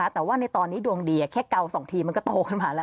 แต่ว่าในตอนนี้ดวงดีแค่เกา๒ทีมันก็โตขึ้นมาแล้ว